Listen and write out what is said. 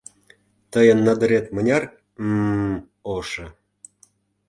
Тыйын надырет мыняр м-м... ошо...